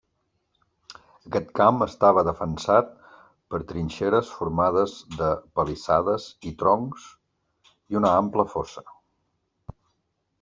Aquest camp estava defensat per trinxeres formades de palissades i troncs i una ampla fossa.